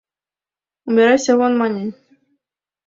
— Убирайся вон! — мане.